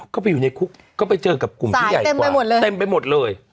ก็ไปอยู่ในคุกก็ไปเจอกับกลุ่มผู้ใหญ่เต็มไปหมดเลย